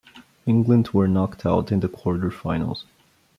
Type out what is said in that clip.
England were knocked out in the quarter-finals.